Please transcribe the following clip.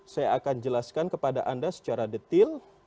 saya akan jelaskan kepada anda secara detail